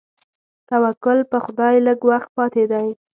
توکل په خدای لږ وخت پاتې دی.